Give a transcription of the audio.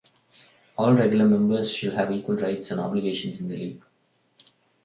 All Regular Members shall have equal rights and obligations in the League.